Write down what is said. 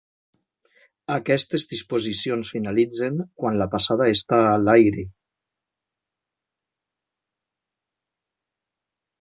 Aquestes disposicions finalitzen quan la passada està a l'aire.